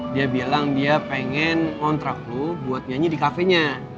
dia bilang dia pengen kontrak lo buat nyanyi di cafe nya